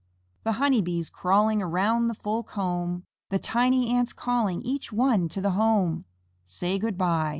The Honey Bees crawling Around the full comb, The tiny Ants calling Each one to the home, Say, "Good by."